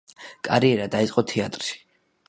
კარიერა დაიწყო თეატრში.